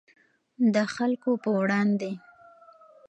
د خلکو په وړاندې.